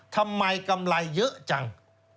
ทำไมกำไรเยอะจัง